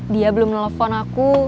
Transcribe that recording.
dia belum nelfon aku